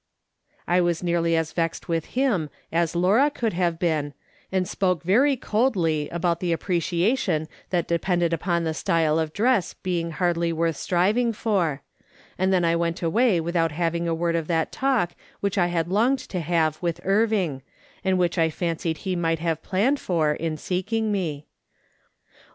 I was nearly as vexed with him as Laura could have been, and spoke very coldly about the apprecia tion that depended on the style of dress being hardly worth striving for ; and then I went away without having a word of that talk which I had longed to have with Irving, and which I fancied lie might have planned for, in seeking me.